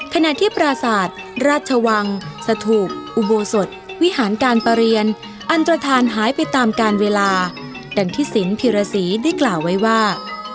ขณะที่ปราศาสตร์ราชวังสถุปอุโบสถวิหารการประเรียนอันตรฐานหายไปตามการเวลาดังที่สินพิรษีได้กล่าวไว้ว่า